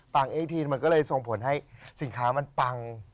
เอ๊ทีนมันก็เลยส่งผลให้สินค้ามันปัง